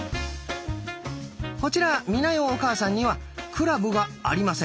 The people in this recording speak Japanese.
こちら美奈代お母さんにはクラブがありません。